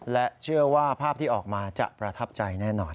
และเชื่อว่าภาพที่ออกมาจะประทับใจแน่นอน